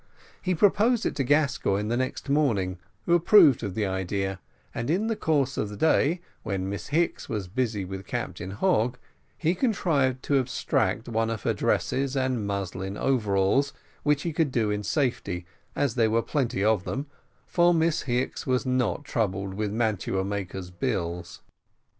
He proposed it to Gascoigne the next morning, who approved of the idea, and in the course of the day, when Miss Hicks was busy with Captain Hogg, he contrived to abstract one of her dresses and muslin overalls which he could do in safety, as there were plenty of them, for Miss Hicks was not troubled with mantua maker's bills.